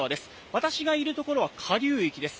私がいる所は、下流域です。